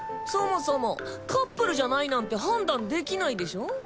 そもそもカップルじゃないなんて判断できないでしょ。